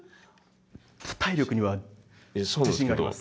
体力には自信があります。